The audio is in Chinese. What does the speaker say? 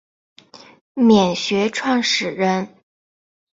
黾学创始人。